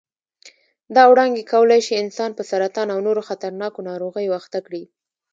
دا وړانګې کولای شي انسان په سرطان او نورو خطرناکو ناروغیو اخته کړي.